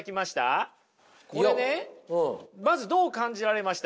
これねまずどう感じられました？